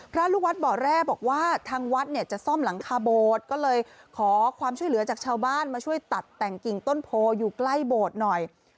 ลูกวัดบ่อแร่บอกว่าทางวัดเนี่ยจะซ่อมหลังคาโบสถ์ก็เลยขอความช่วยเหลือจากชาวบ้านมาช่วยตัดแต่งกิ่งต้นโพอยู่ใกล้โบสถ์หน่อย